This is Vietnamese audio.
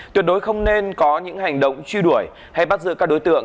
tuyệt đối không nên có những hành động truy đuổi hay bắt giữ các đối tượng